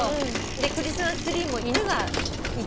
クリスマスツリーも犬が。